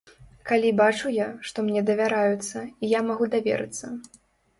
Калі бачу я, што мне давяраюцца, і я магу даверыцца.